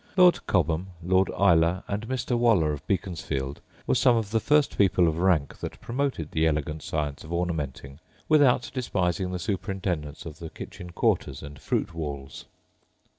Lord Cobham, Lord Ila, and Mr. Waller of Beaconsfield, were some of the first people of rank that promoted the elegant science of ornamenting without despising the superintendence of the kitchen quarters and fruit walls.